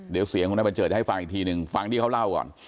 เดี๋ยวเสียงของนายบัญเจิดให้ฟังอีกทีหนึ่งฟังที่เขาเล่าก่อน